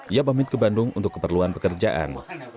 ia pamit ke bandung untuk keperluan pekerjaan